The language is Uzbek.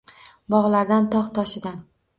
Bog‘laridan, tog‘-toshidan